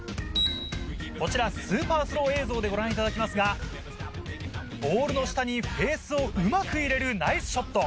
こちらスーパースロー映像でご覧いただきますがボールの下にフェースをうまく入れるナイスショット。